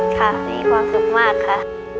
ค่ะมีความสุขมากค่ะ